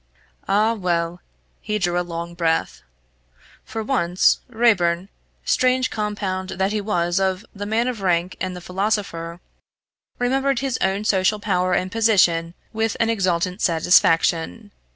Ah well he drew a long breath. For once, Raeburn, strange compound that he was of the man of rank and the philosopher, remembered his own social power and position with an exultant satisfaction.